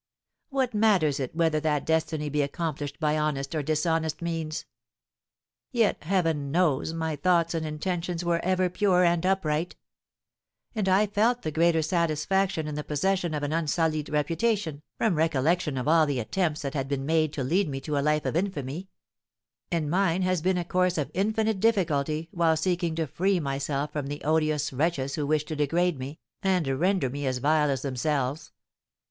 What matters it whether that destiny be accomplished by honest or dishonest means? Yet Heaven knows my thoughts and intentions were ever pure and upright; and I felt the greater satisfaction in the possession of an unsullied reputation, from recollection of all the attempts that had been made to lead me to a life of infamy; and mine has been a course of infinite difficulty while seeking to free myself from the odious wretches who wished to degrade me, and render me as vile as themselves.